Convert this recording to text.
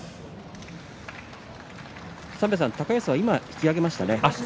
高安は今引き揚げました。